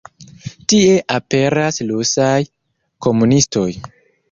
Tie aperas Rusaj komunistoj.